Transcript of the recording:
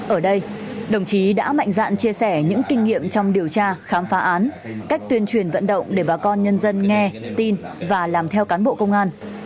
ở đây đồng chí đã mạnh dạn chia sẻ những kinh nghiệm trong điều tra khám phá án cách tuyên truyền vận động để bà con nhân dân nghe tin và làm theo cán bộ công an